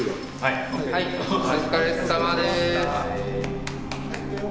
・はいお疲れさまです。